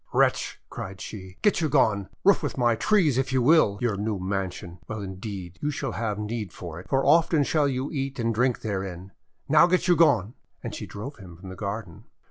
'Wretch!' cried she. "Get you gone! Roof with my trees — if you will — your new mansion! Well, indeed, shall you have need of it! For often shall you eat and drink therein! Now get you gone!' And she drove him from the garden.